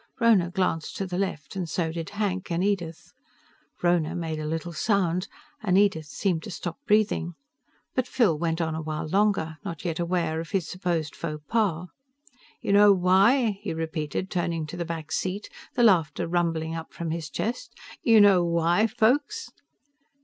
Rhona glanced to the left, and so did Hank and Edith. Rhona made a little sound, and Edith seemed to stop breathing, but Phil went on a while longer, not yet aware of his supposed faux pas. "You know why?" he repeated, turning to the back seat, the laughter rumbling up from his chest. "You know why, folks?"